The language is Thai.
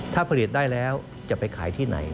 ถ้าผลิตได้แล้วจะไปขายที่ไหน